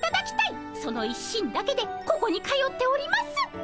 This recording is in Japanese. その一心だけでここに通っております。